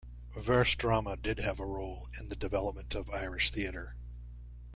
Verse drama did have a role in the development of Irish theatre.